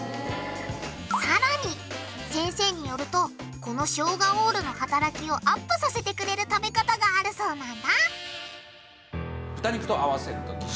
さらに先生によるとこのショウガオールの働きをアップさせてくれる食べ方があるそうなんだ。